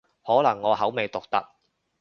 可能我口味獨特